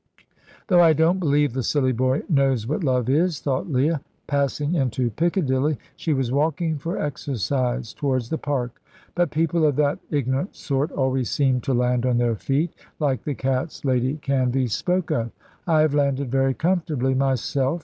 "Though I don't believe the silly boy knows what love is," thought Leah, passing into Piccadilly she was walking for exercise towards the Park; "but people of that ignorant sort always seem to land on their feet, like the cats Lady Canvey spoke of. I have landed very comfortably myself.